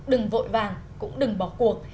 đừng vội vàng cũng đừng bỏ cuộc